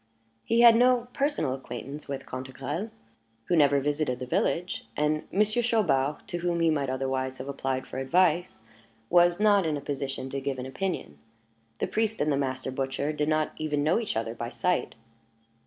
He had no personal acquaintance with Cantegrel, who never visited the village; and Monsieur Chaubard to whom he might otherwise have applied for advice, was not in a position to give an opinion; the priest and the master butcher did not even know each other by sight.